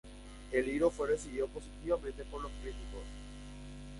El libro fue recibido positivamente por los críticos.